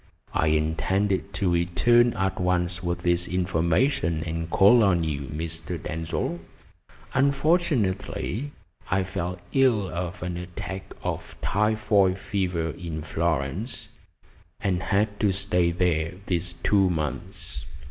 I intended to return at once with this information and call on you, Mr. Denzil. Unfortunately, I fell ill of an attack of typhoid fever in Florence, and had to stay there these two months."